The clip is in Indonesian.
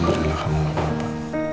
untuk kamu gak apa apa